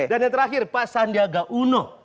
dan yang terakhir pak sandiaga uno